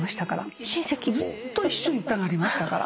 ずっと一緒に歌があったから。